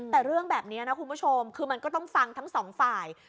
แต่เรื่องแบบนี้นะคุณผู้ชมคือมันก็ต้องฟังทั้งสองฝ่าย